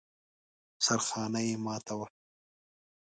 سرخانه يې ماته وه.